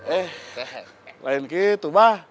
eh lain gitu mbah